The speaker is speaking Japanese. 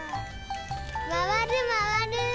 まわるまわる！